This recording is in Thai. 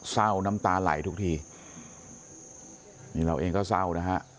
น้ำตาไหลทุกทีนี่เราเองก็เศร้านะฮะ